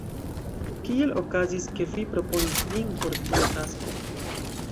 Kiel okazis, ke vi proponis vin por tiu tasko?